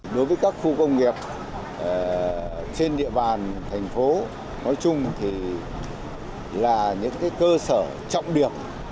đối với các khu công nghiệp trên địa bàn thành phố nói chung thì là những cơ sở trọng điểm